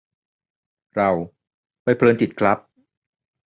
เรา : ไปเพลินจิตครับ